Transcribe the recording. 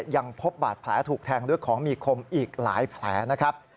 ยังพบบาดแผลถูกแทงด้วยของมีคมอีกหลายแผลนะครับ